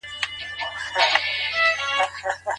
د نجلۍ د والدينو خپلمنځي اړيکي څنګه دي؟